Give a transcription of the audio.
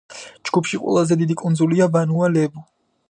ჯგუფში ყველაზე დიდი კუნძულია ვანუა-ლევუ.